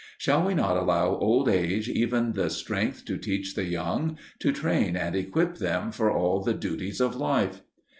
Shall we not allow old age even the strength to teach the young, to train and equip them for all the duties of life?